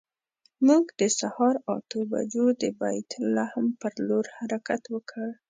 موږ د سهار اتو بجو د بیت لحم پر لور حرکت وکړ.